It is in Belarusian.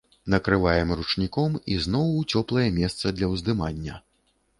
Накрываем ручніком і зноў у цёплае месца для ўздымання.